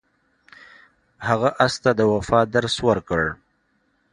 هغه اس ته د وفا درس ورکړ.